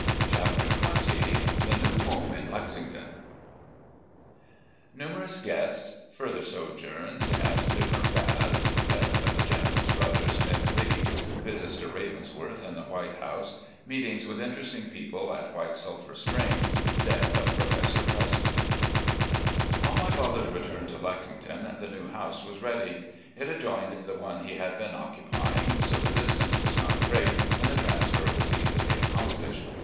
CHAPTER XX The New Home in Lexington NUMEROUS GUESTS — FURTHER SOJOURNS AT DIFFERENT BATHS — DEATH OF THE GENERAL's BROTHER, SMITH LEE — VISITS TO " RAVENSWORTH " AND "THE WHITE house" — MEETINGS WITH INTERESTING PEOPLE AT WHITE SULPHUR SPRINGS — DEATH OF PROFESSOR PRESTON On my father's return to Lexington the new house was ready. It adjoined the one he had been occupying, so the distance was not great and the transfer was easily accomplished.